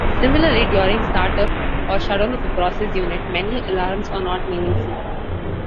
Similarly, during start-up or shutdown of a process unit, many alarms are not meaningful.